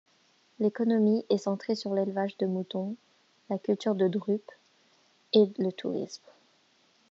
L'économie est centrée sur l'élevage de moutons, la culture de drupes et le tourisme.